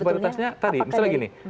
disparitasnya tadi misalnya begini